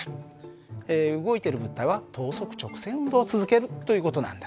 動いている物体は等速直線運動を続けるという事なんだ。